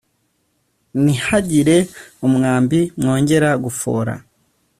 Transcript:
ntihagire umwambi mwongera gufora